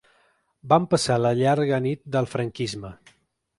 Vam passar la llarga nit del franquisme.